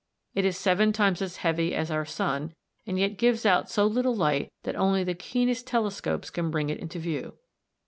It is seven times as heavy as our sun, and yet gives out so little light that only the keenest telescopes can bring it into view.